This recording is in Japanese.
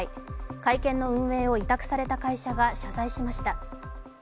会見の運営を委託された会社が謝罪しました。